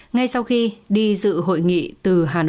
ngay sau khi đi dự hội nghị từ hà nội về